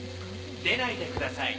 出ないでください。